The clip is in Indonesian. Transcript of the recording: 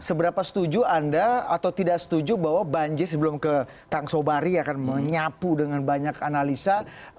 seberapa setuju anda atau tidak setuju bahwa banjir sebelum ke kang sobari akan menyapu dengan banyak analisa